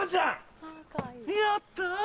やった！